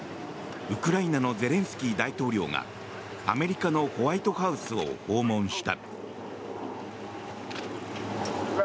ウクライナのゼレンスキー大統領がアメリカのホワイトハウスを訪問した。